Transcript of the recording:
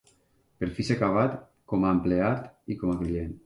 Per fi s'ha acabat, com a empleat i com a client!